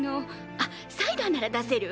あサイダーなら出せるわ。